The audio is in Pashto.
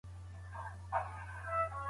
ډاکټران بخارونه مه ایستئ وايي.